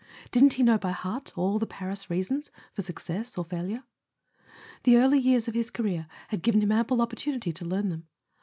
Didn't he know by heart all the Paris reasons for success or failure ? The early years of his career had given him ample opportunity to learn them.